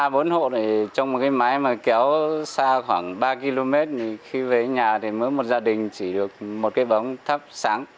ba bốn hộ này trong một cái máy mà kéo xa khoảng ba km thì khi về nhà thì mỗi một gia đình chỉ được một cái bóng thắp sáng